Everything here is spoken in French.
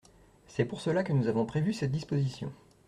C’est pour cela que nous avons prévu cette disposition.